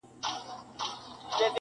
• څاڅکي څاڅکي څڅېدلې له انګوره,